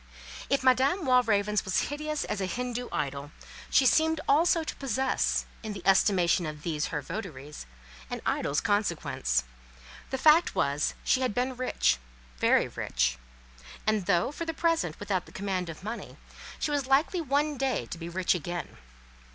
If Madame Walravens was hideous as a Hindoo idol, she seemed also to possess, in the estimation of these her votaries, an idol's consequence. The fact was, she had been rich—very rich; and though, for the present, without the command of money, she was likely one day to be rich again.